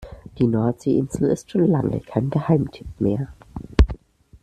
Die Nordseeinsel ist schon lange kein Geheimtipp mehr.